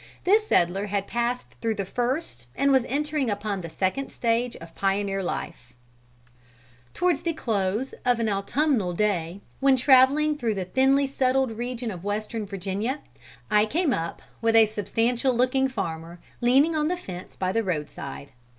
This settler had passed through the first and was entering upon the second stage of pioneer life: "Towards the close of an autumnal day, when traveling through the thinly settled region of Western Virginia, I came up with a substantial looking farmer leaning on the fence by the road side.